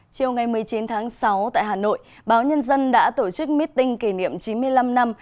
chiều ngày một mươi chín tháng sáu tại hà nội báo nhân dân đã tổ chức meeting kỷ niệm chín mươi năm năm